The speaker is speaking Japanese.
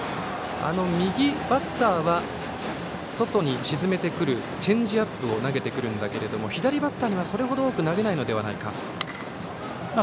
右バッターは外に沈めてくるチェンジアップを投げてくるんだけれども左バッターにはそれほど多く投げないのではないかと。